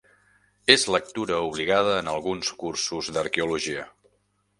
Es lectura obligada en alguns cursos d'arqueologia.